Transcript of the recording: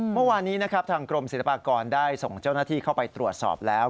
เมื่อวานนี้นะครับทางกรมศิลปากรได้ส่งเจ้าหน้าที่เข้าไปตรวจสอบแล้ว